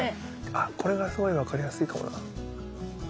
あこれがすごい分かりやすいかもな。